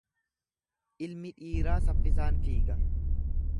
Ilmi dhiiraa saffisaan fiiga.